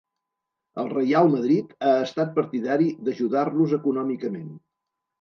El Reial Madrid ha estat partidari d'ajudar-los econòmicament.